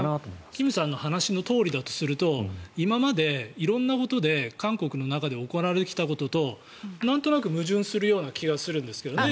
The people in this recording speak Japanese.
金さんの話のとおりだとすると今まで色々、韓国の中で行われてきたこととなんとなく矛盾するような気がするんですけどね。